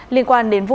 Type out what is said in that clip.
liên quan đến nạn nhân